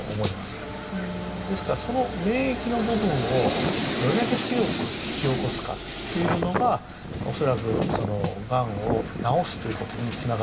ですからその免疫の部分をどれだけ強く引き起こすかっていうのが恐らくそのがんを治すということにつながるというふうに思うんですね。